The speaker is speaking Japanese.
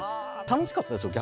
楽しかったですよ